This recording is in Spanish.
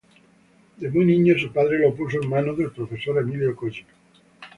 De muy niño su padre lo puso en manos del profesor Emilio Collin.